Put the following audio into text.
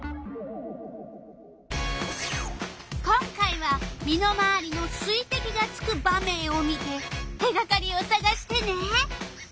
今回は身のまわりの水てきがつく場面を見て手がかりをさがしてね！